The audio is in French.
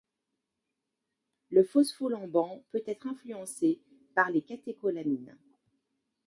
Le phospholamban peut être influencé par des catécholamines.